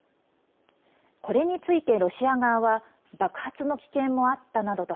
これについてロシア側は爆発の危険もあったなどと